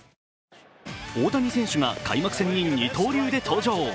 大谷選手が開幕戦に二刀流で登場。